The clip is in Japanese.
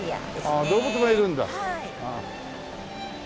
ああ動物もいるんだ。